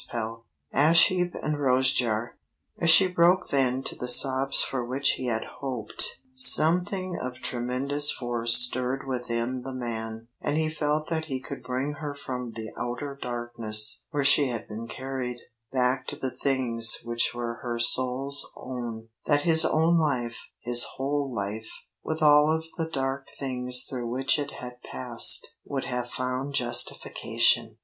CHAPTER XXXIX ASH HEAP AND ROSE JAR As she broke then to the sobs for which he had hoped, something of tremendous force stirred within the man; and he felt that if he could bring her from the outer darkness where she had been carried, back to the things which were her soul's own, that his own life, his whole life, with all of the dark things through which it had passed, would have found justification.